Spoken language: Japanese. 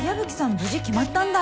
無事決まったんだ。